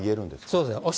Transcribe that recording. そうです。